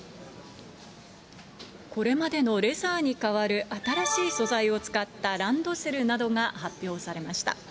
これまでのレザーに代わる新しい素材を使ったランドセルなどが発表されました。